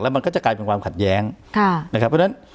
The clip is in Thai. มันก็จะกลายเป็นความขัดแย้งค่ะนะครับเพราะฉะนั้น